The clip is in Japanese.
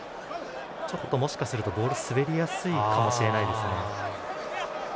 もしかするとボールが滑りやすいかもしれないですね。